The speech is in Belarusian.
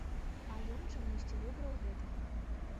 А ён чамусьці выбраў гэтага.